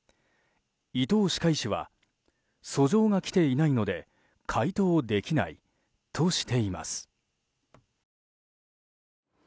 伊藤歯科医師は訴状が来ていないので回答できないとしています。